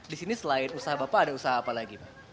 di sini selain usaha bapak ada usaha apa lagi pak